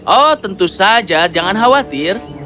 oh tentu saja jangan khawatir